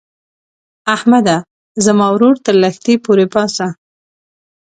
احمده؛ زما ورور تر لښتي پورې باسه.